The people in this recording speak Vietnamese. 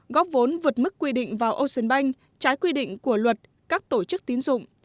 góp vốn vượt mức quy định vào ocean bank trái quy định của luật các tổ chức tín dụng